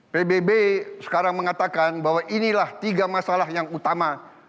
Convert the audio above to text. pbb sekarang mengatakan bahwa inilah tiga masalah yang utama